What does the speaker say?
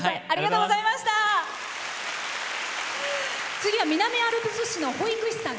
次は南アルプス市の保育士さん。